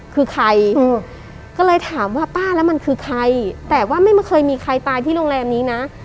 คือใครก็เลยถามว่าป้าแล้วมันคือใครแต่ว่าไม่เคยมีใครตายที่โรงแรมนี้นะ